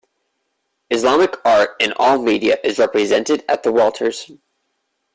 Islamic art in all media is represented at the Walters.